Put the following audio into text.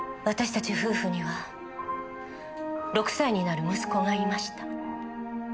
私たち夫婦には６歳になる息子がいました。